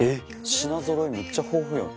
品ぞろえめっちゃ豊富やん。